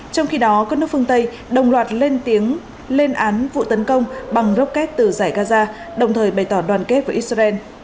trong khi đó các nước phương tây đồng loạt lên án vụ tấn công bằng rocket từ dài gaza đồng thời bày tỏ đoàn kết với israel